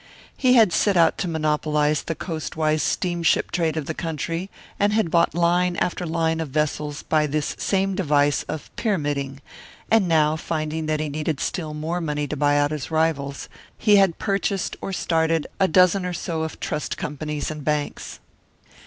He had set out to monopolise the coastwise steamship trade of the country, and had bought line after line of vessels by this same device of "pyramiding"; and now, finding that he needed still more money to buy out his rivals, he had purchased or started a dozen or so of trust companies and banks.